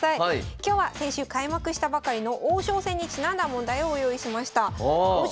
今日は先週開幕したばかりの王将戦にちなんだ問題をご用意しました。